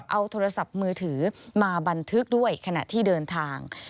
เอาโทรศัพท์มือถือมาบันทึกด้วยขณะที่เดินทาง